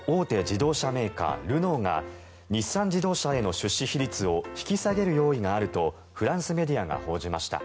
自動車メーカールノーが日産自動車への出資比率を引き下げる用意があるとフランスメディアが報じました。